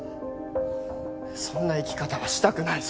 そんな生き方はしたくない。